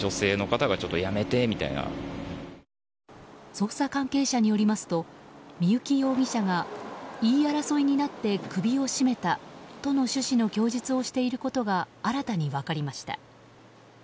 捜査関係者によりますと三幸容疑者が言い争いになって首を絞めたとの趣旨の供述をしていることが新たに分かりました。